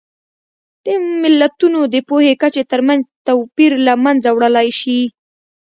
د ملتونو د پوهې کچې ترمنځ توپیر له منځه وړلی شي.